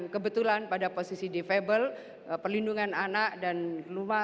sebenarnya disini pembangunanrusiagab com abis jumlah